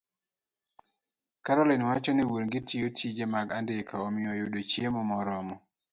Caroline wacho ni wuon-gi tiyo tije mag andika, omiyo yudo chiemo moromo